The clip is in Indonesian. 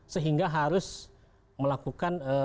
sehingga harus melakukan tindakan lain